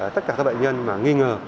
tất cả các bệnh nhân mà nghi ngờ